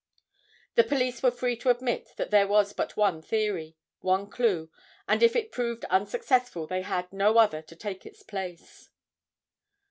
The police were free to admit that there was but one theory, one clue, and if it proved unsuccessful, they had no other to take its place.